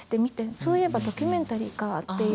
そういえばドキュメンタリーかっていう。